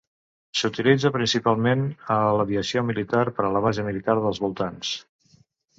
S'utilitza principalment a l'aviació militar, per a la base militar dels voltants.